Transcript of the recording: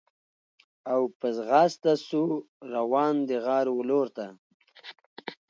او په ځغاسته سو روان د غار و لورته